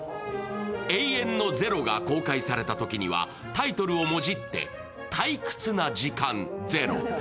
「永遠の０」が公開されたときには、タイトルをもじって、「退屈な時間０」。